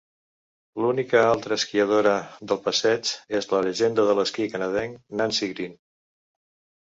L'única altra esquiadora del passeig és la llegenda de l'esquí canadenc Nancy Greene.